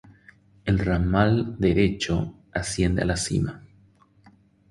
El ramal derecho asciende a la cima.